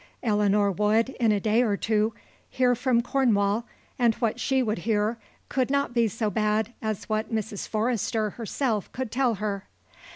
Eleanor would, in a day or two, hear from Cornwall and what she would hear could not be so bad as what Mrs. Forrester herself could tell her.